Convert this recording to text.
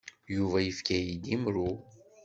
Yuba yefka-iyi-d imru.